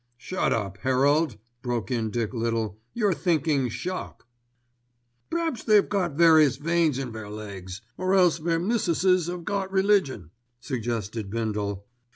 "Shut up, Herald," broke in Dick Little, "you're thinking 'shop.'" "P'raps they've got 'various' veins* in their legs, or else their missusses 'ave got religion," suggested Bindle.